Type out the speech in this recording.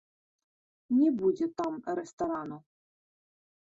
Не будзе там рэстарану.